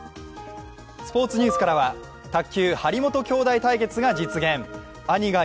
スポーツニュースからは卓球張本きょうだい対決が実現。